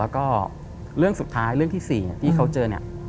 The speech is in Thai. แล้วก็เรื่องสุดท้ายเรื่องที่๔ที่เขาเจอเนี่ย